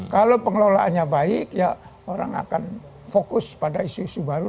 kalau pengelolaannya baik ya orang akan fokus pada isu isu baru